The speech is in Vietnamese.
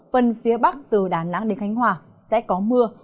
phần phía bắc từ đà nẵng đến khánh hòa sẽ có mưa